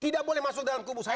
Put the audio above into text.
tidak boleh masuk dalam kubu saya